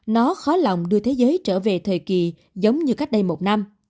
nó khó lòng đưa thế giới trở về thời kỳ giống như cách đây một năm